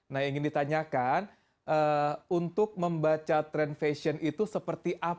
nah ingin ditanyakan untuk membaca tren fashion itu seperti apa